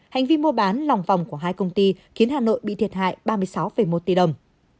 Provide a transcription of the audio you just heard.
hành vi mua bán lòng vòng của hai công ty khiến hà nội bị thiệt hại ba mươi sáu một tỷ đồng